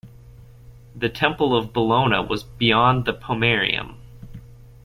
The Temple of Bellona was beyond the pomerium.